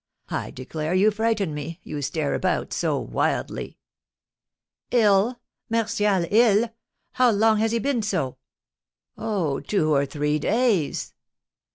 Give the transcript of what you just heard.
I declare you frighten me, you stare about so wildly." "Ill! Martial ill? And how long has he been so?" "Oh, two or three days."